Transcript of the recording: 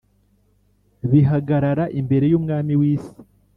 bihagarara imbere y’Umwami w’isi